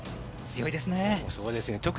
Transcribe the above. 強いですね。